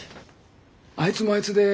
あいつもあいつでくそ